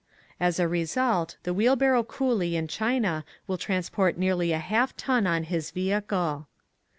As a re sult, the wheelbarrow coolie in China will transport nearly a half ton on his vehicle.